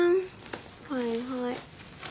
はいはい。